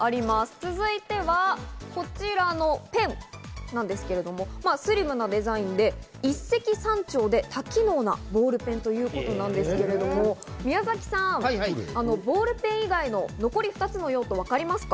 続いてはこちらのペン、スリムなデザインで一石三鳥で多機能なボールペンということなんですけれども、宮崎さん、ボールペン以外の残り２つの用途、わかりますか？